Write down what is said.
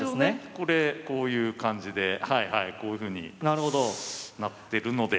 これこういう感じでこういうふうになってるので。